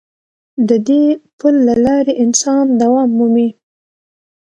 د دې پل له لارې انسان دوام مومي.